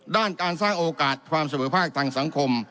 ด้านการสร้างโอกาสความเสมอภาคทางสังคม